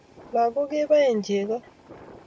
Lagok keboe chego